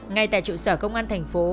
ngay tại trụ sở công an thành phố